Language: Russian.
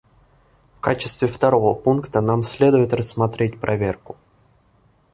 В качестве второго пункта нам следует рассмотреть проверку.